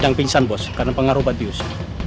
yang pingsan bos karena pengaruh babius